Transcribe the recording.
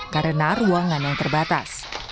karena ruangan yang terbatas